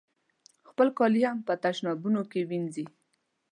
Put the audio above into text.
خپل کالي هم په تشنابونو کې وینځي.